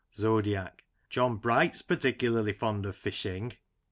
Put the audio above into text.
Zodiac : John Bright's particularly fond of fishing.